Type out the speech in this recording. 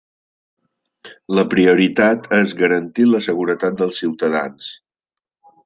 La prioritat és garantir la seguretat dels ciutadans.